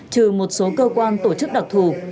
trừ một số cơ quan tổ chức đặc thù